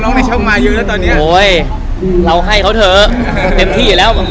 ในช่องมาเยอะแล้วตอนนี้โอ้ยเราให้เขาเถอะเต็มที่อยู่แล้ว